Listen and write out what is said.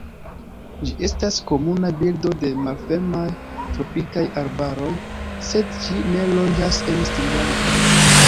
Ĝi estas komuna birdo de malfermaj tropikaj arbaroj, sed ĝi ne loĝas en Srilanko.